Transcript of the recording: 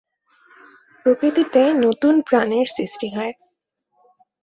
প্রকৃতিতে নতুন প্রাণের সৃষ্টি হয়।